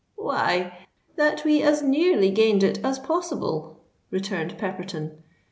"Why—that we as nearly gained it as possible," returned Pepperton.